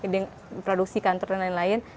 dengan produksi kantor dan lain lain